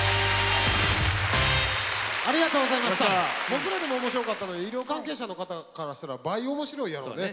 僕らでも面白かったのに医療関係者の方からしたら倍面白いやろうね。